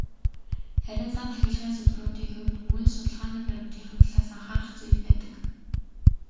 Харин "сан тахилгын судруудын" хувьд мөн л судалгааны баримтынх нь талаас анхаарах зүйлс байдаг.